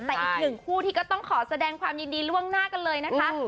แต่อีกหนึ่งคู่ที่ก็ต้องขอแสดงความยินดีล่วงหน้ากันเลยนะคะ